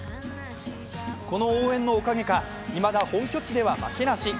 この応援のおかげか、いまだ本拠地では負けなし。